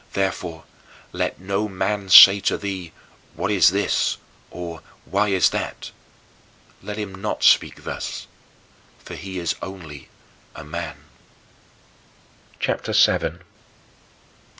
Therefore let no man say to thee, "What is this?" or, "Why is that?" Let him not speak thus, for he is only a man. CHAPTER VII 11.